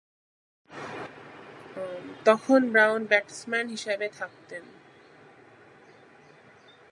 তখন Brown batsman হিসেবে থাকতেন।